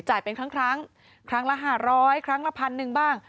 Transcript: จ่ายเป็นครั้งครั้งละ๕๐๐ครั้งละ๑๐๐๐บ้าง